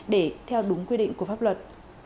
để theo đúng quy định của pháp luật